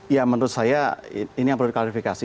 ya menurut saya ini yang perlu diklarifikasi